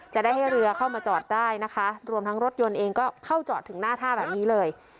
จะได้ให้เรือเข้ามาจอดได้นะคะรวมทั้งรถยนต์เองก็เข้าจอดถึงหน้าท่าแบบนี้เลย